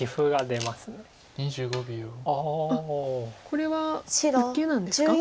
これは受けなんですか？